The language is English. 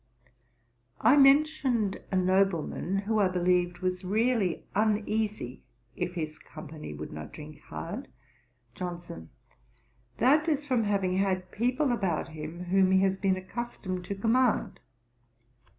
I mentioned a nobleman, who I believed was really uneasy if his company would not drink hard. JOHNSON. 'That is from having had people about him whom he has been accustomed to command.'